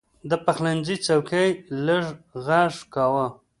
د پخلنځي څوکۍ لږ غږ کاوه.